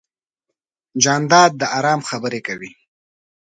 جانداد د ارام خبرې کوي.